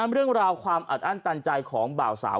เรื่องราวความอัดอั้นตันใจของบ่าวสาว